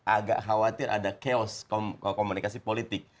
agak khawatir ada chaos komunikasi politik